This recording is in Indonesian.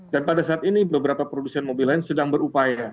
dan pada saat ini beberapa produsen mobil lain sedang berupaya